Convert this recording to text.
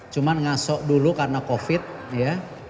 cuma ngasok dulu karena covid ya